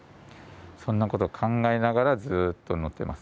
そんなことを考えながらずっと乗っています。